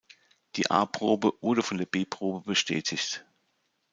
Die A-Probe wurde von der B-Probe bestätigt.